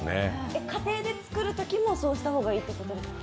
家庭で作るときもそうした方がいいってことですか？